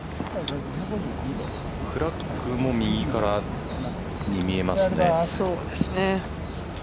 フラッグも右からに見えますね。